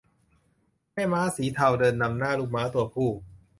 แม่ม้าสีเทาเดินนำหน้าลูกม้าตัวผู้